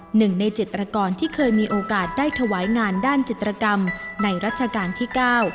หนึ่งในจิตรกรที่เคยมีโอกาสได้ถวายงานด้านจิตรกรรมในรัชกาลที่เก้า